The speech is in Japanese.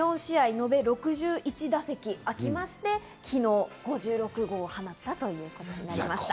１４試合延べ６１打席あきまして、昨日５６号を放ったということです。